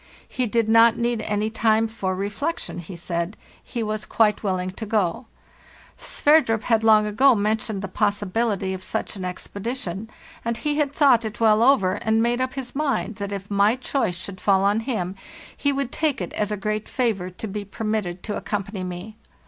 He did not need any time for re flection, he said; he was quite willing to go. Sverdrup had long ago mentioned the possibility of such an expe dition, and he had thought it well over, and made up his mind that if my choice should fall on him he would take it as a great favor to be permitted to accompany me.